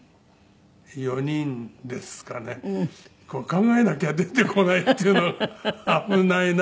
考えなきゃ出てこないっていうのが危ないな。